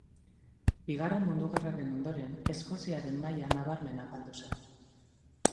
Bigarren Mundu gerraren ondoren Eskoziaren maila nabarmen apaldu zen.